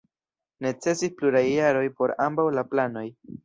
Necesis pluraj jaroj por ambaŭ la planoj.